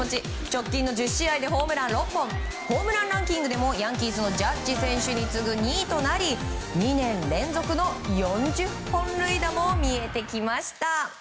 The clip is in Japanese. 直近の１０試合でホームラン６本ホームランランキングでもヤンキースのジャッジ選手に次ぐ２位となり２年連続の４０本塁打も見えてきました。